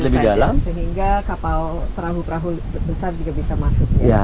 sehingga kapal terahu terahu besar juga bisa masuk